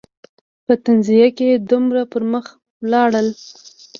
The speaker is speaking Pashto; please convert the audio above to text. په تنزیه کې دومره پر مخ لاړل.